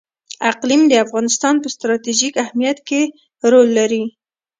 اقلیم د افغانستان په ستراتیژیک اهمیت کې رول لري.